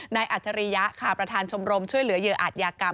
อัจฉริยะค่ะประธานชมรมช่วยเหลือเหยื่ออาจยากรรม